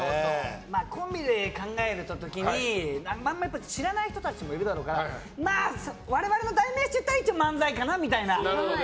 コンビで考えたときに知らない人たちもいるだろうから我々の代名詞と言ったら一応漫才かなって。